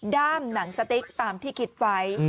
้ามหนังสติ๊กตามที่คิดไว้